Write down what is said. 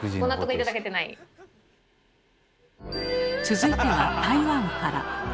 続いては台湾から。